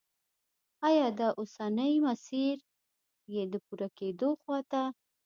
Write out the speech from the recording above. آیا دا اوسنی مسیر یې د پوره کېدو خواته